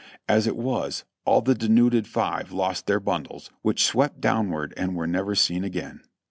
As it was, all the de nuded five lost their bundles, which swept downward and were never seen again.